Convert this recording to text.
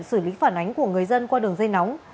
xử lý phản ánh của người dân qua đường dây nóng